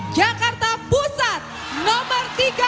jakarta pusat nomor tiga puluh lima